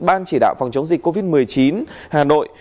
ban chỉ đạo phòng chống dịch covid một mươi chín hà nội